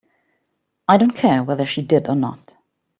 I don't care whether she did or not.